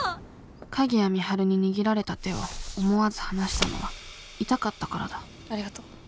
鍵谷美晴に握られた手を思わず離したのは痛かったからだありがとう。